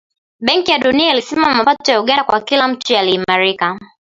Benki ya Dunia ilisema mapato ya Uganda kwa kila mtu yaliimarika